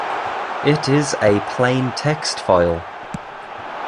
It is a plain text file.